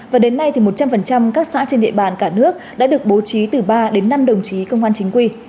và đến nay thì một trăm linh các xã trên địa bàn cả nước đã được bố trí từ ba đến năm đồng chí công an chính quy